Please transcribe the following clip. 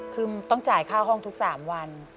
คือต้องจ่ายค่าห้องทุก๓วัน